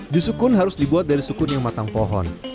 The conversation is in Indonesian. jus sukun harus dibuat dari sukun yang matang pohon